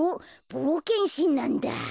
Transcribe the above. ぼうけんしんなんだ。